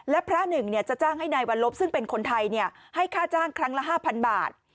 และพระหนึ่งเนี่ยจะจ้างให้นายวรรลบซึ่งเป็นคนไทยเนี่ยให้ค่าจ้างครั้งละห้าพันบาท